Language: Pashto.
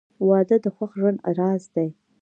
• واده د خوښ ژوند راز دی.